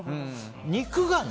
肉がね